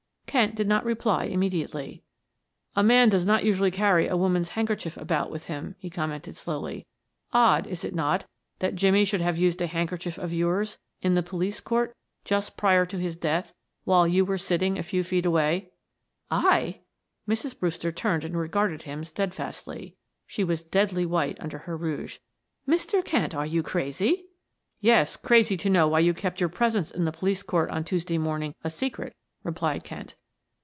Kent did not reply immediately. "A man does not usually carry a woman's handkerchief about with him," he commented slowly. "Odd, is it not, that Jimmie should have used a handkerchief of yours in the police court just prior to his death, while you were sitting a few feet away?" "I?" Mrs. Brewster turned and regarded him steadfastly. She was deadly white under her rouge. "Mr. Kent, are you crazy?" "Yes, crazy to know why you kept your presence in the police court on Tuesday morning a secret," replied Kent.